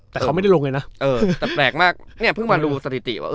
แต่เขาไม่ได้ลงเลยนะเออแต่แปลกมากเนี่ยเพิ่งมาดูสถิติว่า